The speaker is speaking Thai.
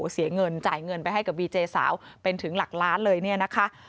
เสียเงินจ่ายเงินไปให้กับวีเจสาวเป็นถึงหลักล้านเลยเนี่ยนะคะ